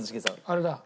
あれだ。